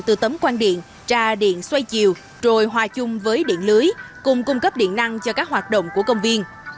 với bốn quan điện tra điện xoay chiều rồi hòa chung với điện lưới cùng cung cấp điện năng cho các hoạt động của công viên